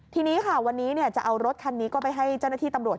ทีนี้ค่ะวันนี้จะเอารถคันนี้ก็ไปให้เจ้าหน้าที่ตำรวจ